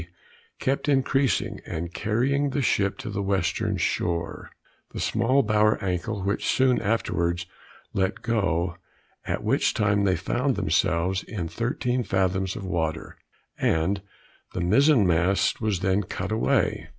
kept increasing, and carrying the ship to the western shore. The small bower anchor which soon afterwards let go, at which time they found themselves in thirteen fathom of water, and the mizen mast was then cut away.